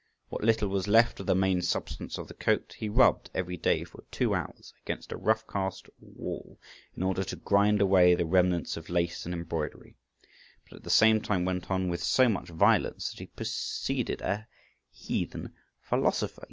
What little was left of the main substance of the coat he rubbed every day for two hours against a rough cast wall, in order to grind away the remnants of lace and embroidery, but at the same time went on with so much violence that he proceeded a heathen philosopher.